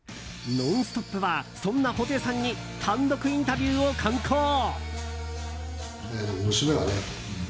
「ノンストップ！」はそんな布袋さんに単独インタビューを敢行。